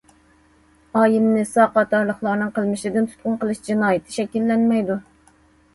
ئايىمنىسا قاتارلىقلارنىڭ قىلمىشىدىن تۇتقۇن قىلىش جىنايىتى شەكىللەنمەيدۇ.